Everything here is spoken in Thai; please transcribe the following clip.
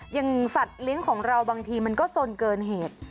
อย่างสัตว์เลี้ยงของเราบางทีมันก็สนเกินเหตุ